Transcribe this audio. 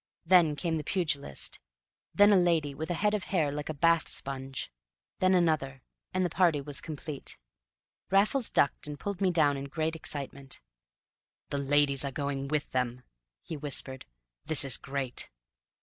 Then came the pugilist; then a lady with a head of hair like a bath sponge; then another, and the party was complete. Raffles ducked and pulled me down in great excitement. "The ladies are going with them," he whispered. "This is great!"